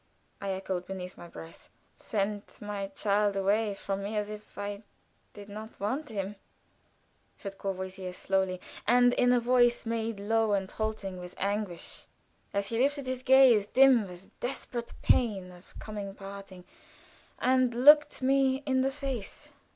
I echoed, beneath my breath. "Send my child away from me as if I did not want him," said Courvoisier, slowly, and in a voice made low and halting with anguish, as he lifted his gaze, dim with the desperate pain of coming parting, and looked me in the face.